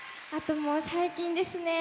最近ですね